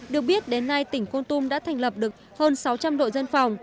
được biết đến nay tỉnh côn tùm đã thành lập được hơn sáu trăm linh đội dân phòng